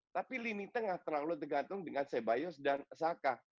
tapi lini tengah terlalu tergantung dengan ceballos dan xhaka